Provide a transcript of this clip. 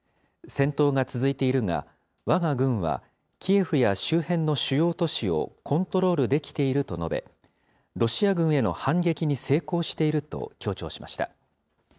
戦闘が続いているが、わが軍はキエフや周辺の主要都市をコントロールできていると述べ、ロシア軍への反撃に成功していると強調しました。